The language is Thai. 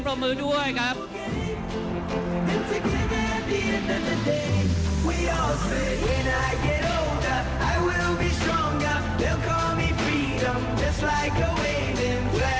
ท่านแรกครับจันทรุ่ม